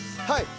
はい。